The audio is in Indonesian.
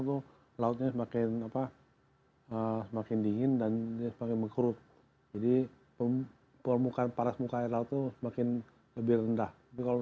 tuh lautnya semakin dingin dan semakin mengkurut jadi permukaan paras muka air laut tuh semakin lebih rendah tapi kalau